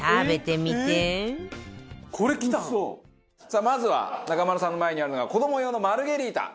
さあまずは中丸さんの前にあるのが子ども用のマルゲリータ。